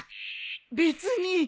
別に。